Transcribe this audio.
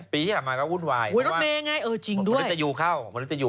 พี่หัวทิศระเมร์จะมีแฟนหรอ